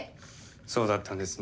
そうだったんですね。